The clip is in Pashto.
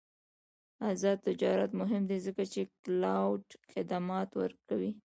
آزاد تجارت مهم دی ځکه چې کلاؤډ خدمات ورکوي.